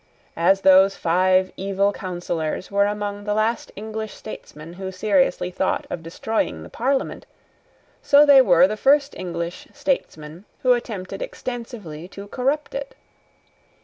As those five evil counsellors were among the last English statesmen who seriously thought of destroying the Parliament, so they were the first English statesmen who attempted extensively to corrupt it.